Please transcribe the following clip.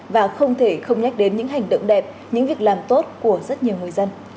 và không thể không nhắc đến những hành động đẹp những việc làm tốt của rất nhiều người dân